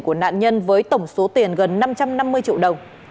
của nạn nhân với tổng số tiền gần năm trăm năm mươi triệu đồng